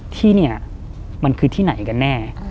ที่นี่มันคือที่ไหนกันแน่